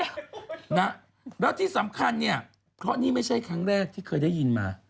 และที่สำคัญเพรานี่ไม่ใช่ครั้งแรกที่เกิดได้ยินมา